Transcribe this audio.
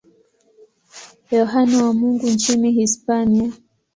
Yohane wa Mungu nchini Hispania.